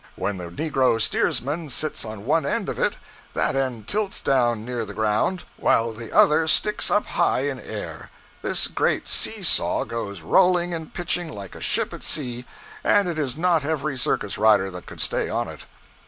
When the negro steersman sits on one end of it, that end tilts down near the ground, while the other sticks up high in air. This great see saw goes rolling and pitching like a ship at sea, and it is not every circus rider that could stay on it.